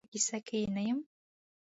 په کیسه کې یې نه یم.